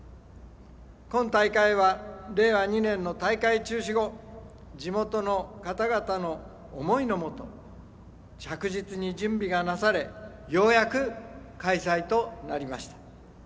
今大会は、令和二年の大会中止後地元の方々の想いのもと着実に準備がなされようやく開催となりました。